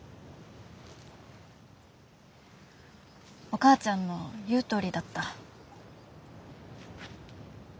お母ちゃんの言うとおりだった。